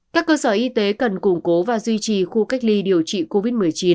các cơ sở y tế cần củng cố và duy trì khu cách ly điều trị covid một mươi chín